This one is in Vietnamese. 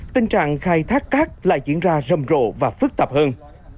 tình trạng khai thác cát lại diễn ra rầm rộ và phức tạp hơn